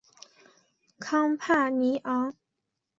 康帕尼昂。